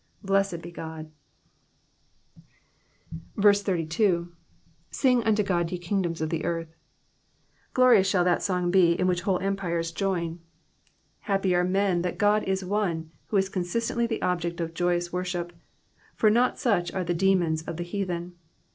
Blessed be God. 32. '^Sing unto Ood, ye kingdoms of the earth,'''' Glorious shall that song be in which whole empires join. Happy are men that God is one who is con sistently the object of joyous worship, for not such are the demons of the heathen.